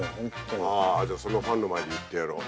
ああじゃあそのファンの前で言ってやろう。